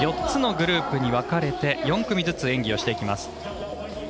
４つのグループに分かれて４組ずつ演技をしていきます。